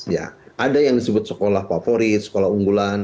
ya ada yang disebut sekolah favorit sekolah unggulan